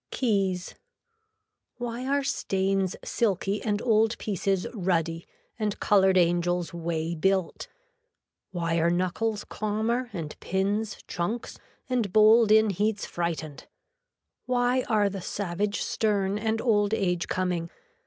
KEYS Why are stains silky and old pieces ruddy and colored angels way built. Why are knuckles calmer and pins chunks and bold in heats frightened. Why are the savage stern and old age coming.